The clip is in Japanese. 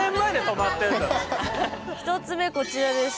１つ目こちらです。